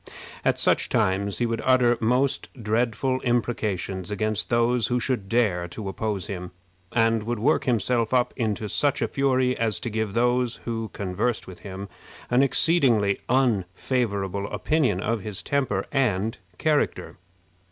At such times he would utter most dreadful imprecations against those who should dare to oppose him, and would work himself up into such a fury as to give those who conversed with him an exceedingly unfavorable opinion of his temper and character.